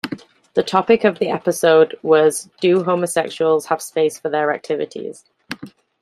The topic of the episode was Do homosexuals have space for their activities?